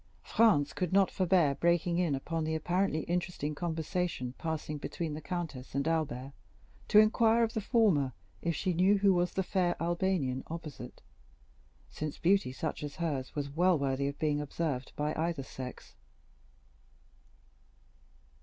Franz could not forbear breaking in upon the apparently interesting conversation passing between the countess and Albert, to inquire of the former if she knew who was the fair Albanian opposite, since beauty such as hers was well worthy of being observed by either sex.